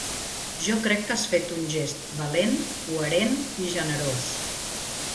Jo crec que has fet un gest valent, coherent i generós.